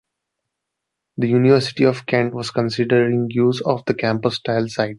The University of Kent was considering use of the campus style site.